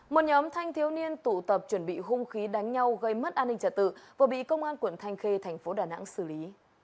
một nhóm thanh thiếu niên tụ tập chuẩn bị hung khí đánh nhau gây mất an ninh trả tự vừa bị công an quận thanh khê thành phố đà nẵng xử lý